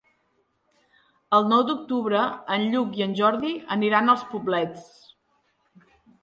El nou d'octubre en Lluc i en Jordi aniran als Poblets.